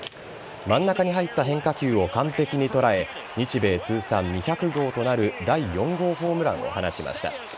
真ん中に入った変化球を完璧に捉え日米通算２００号となる第４号ホームランを放ちました。